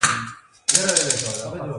د ایورېټ څو نړۍ تفسیر بل انتخاب دی.